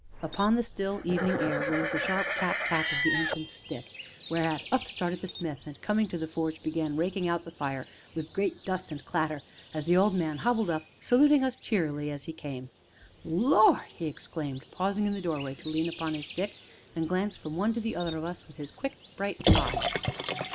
Upon the still evening air rose the sharp tap, tap of the Ancient's stick, whereat up started the smith, and, coming to the forge, began raking out the fire with great dust and clatter, as the old man hobbled up, saluting us cheerily as he came. "Lord!" he exclaimed, pausing in the doorway to lean upon his stick and glance from one to the other of us with his quick, bright eyes.